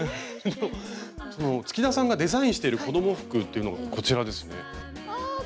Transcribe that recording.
月田さんがデザインしている子ども服というのがこちらですね。